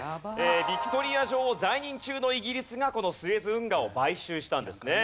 ヴィクトリア女王在任中のイギリスがこのスエズ運河を買収したんですね。